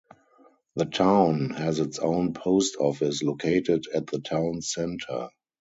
The town has its own post office, located at the town's center.